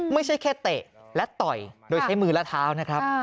ไม่ใช่แค่เตะและต่อยโดยใช้มือและเท้านะครับ